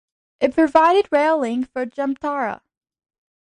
It provided rail link for Jamtara.